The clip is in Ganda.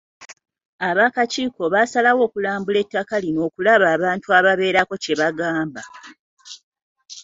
Ab'akakiiko baasalawo okulambula ettaka lino okulaba abantu ababeerako kye bagamba.